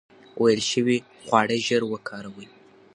ویلې شوي خواړه ژر وکاروئ.